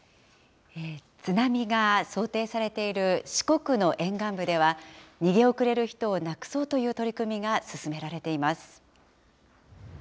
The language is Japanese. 津波が想定されている四国の沿岸部では、逃げ遅れる人をなくそうという取り組みが進められています。